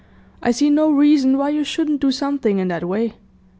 I see no reason why you shouldn't do something in that way.